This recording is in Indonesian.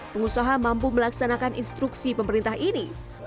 pengusaha mampu melaksanakan instruksi pemerintah ini